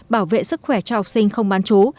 bảo vệ sức khỏe cho học sinh không bán chú